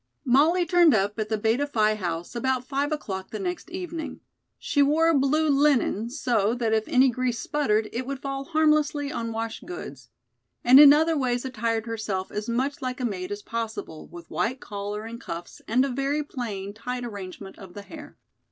Molly turned up at the Beta Phi House about five o'clock the next evening. She wore a blue linen so that if any grease sputtered it would fall harmlessly on wash goods, and in other ways attired herself as much like a maid as possible with white collar and cuffs and a very plain tight arrangement of the hair.